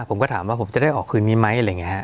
ผมก็ถามว่าผมจะได้ออกคืนนี้ไหมอะไรอย่างนี้ฮะ